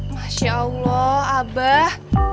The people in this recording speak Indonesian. masya allah abah